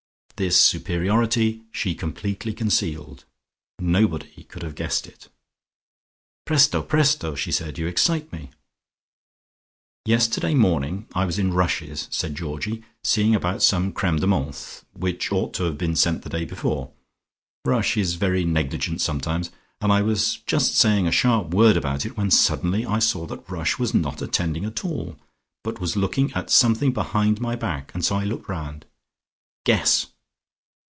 This superiority she completely concealed. Nobody could have guessed it. "Presto, presto!" she said. "You excite me." "Yesterday morning I was in Rush's," said Georgie, "seeing about some Creme de menthe, which ought to have been sent the day before. Rush is very negligent sometimes and I was just saying a sharp word about it, when suddenly I saw that Rush was not attending at all, but was looking at something behind my back, and so I looked round. Guess!"